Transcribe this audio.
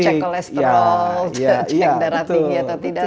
check kolesterol check darah tinggi atau tidak